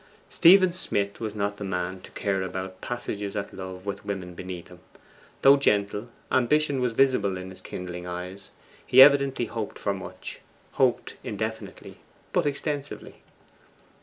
Stephen Smith was not the man to care about passages at love with women beneath him. Though gentle, ambition was visible in his kindling eyes; he evidently hoped for much; hoped indefinitely, but extensively.